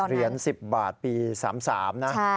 เหรียญ๑๐บาทปี๓๓นะ